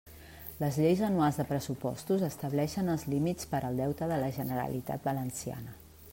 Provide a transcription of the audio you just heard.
Les lleis anuals de pressupostos estableixen els límits per al deute de la Generalitat Valenciana.